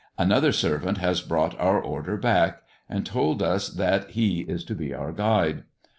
Another servant has brought our order back, and told us that he is to be our guide.